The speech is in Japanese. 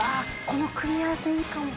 この組み合わせいいかも。